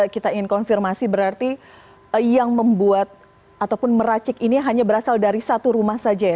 kita ingin konfirmasi berarti yang membuat ataupun meracik ini hanya berasal dari satu rumah saja ya